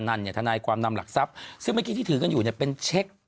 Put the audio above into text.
นั่นเนี่ยทนายความนำหลักทรัพย์ซึ่งเมื่อกี้ที่ถือกันอยู่เนี่ยเป็นเช็ค